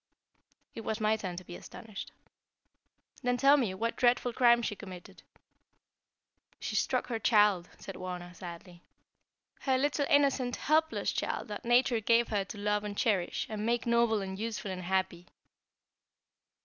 It was my turn to be astonished. "Then tell me what dreadful crime she committed." "She struck her child," said Wauna, sadly; "her little innocent, helpless child that Nature gave her to love and cherish, and make noble and useful and happy."